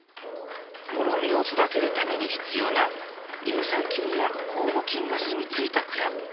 もろみを育てるために必要な乳酸菌や酵母菌が住み着いた蔵。